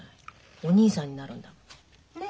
お義兄さんになるんだもん。